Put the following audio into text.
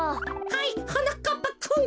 はいはなかっぱくん。